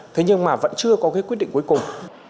thế nhưng mà vẫn chưa có cái quyết định cuối cùng